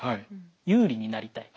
有利になりたい。